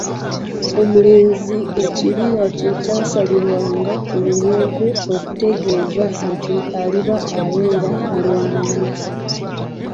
Omulenzi ekirira kye kyasalirwanga ku lunyago okutegeeza nti aliba oba abeere mulwanyi.